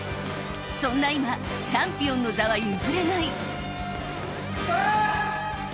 そんな今チャンピオンの座は譲れない。